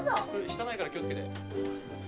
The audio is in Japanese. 下ないから気を付けて。